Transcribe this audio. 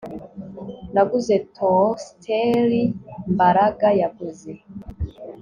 Naguze toasteri Mbaraga yaguze